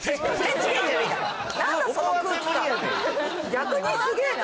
逆にすげえな。